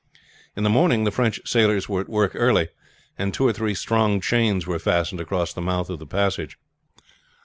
In the morning the French sailors were at work early, and two or three strong chains were fastened across the mouth of the passage.